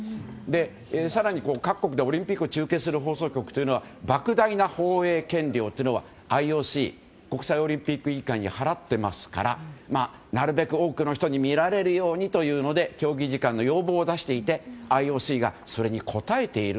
更に各国でオリンピックを中継する放送局というのは莫大な放映権料というのはＩＯＣ・国際オリンピック委員会に払っていますからなるべく多くの人に見られるようにというので競技時間の要望を出していてＩＯＣがそれに答えている。